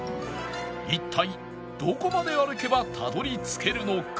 一体どこまで歩けばたどり着けるのか？